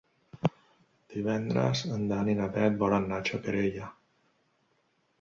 Divendres en Dan i na Bet volen anar a Xacarella.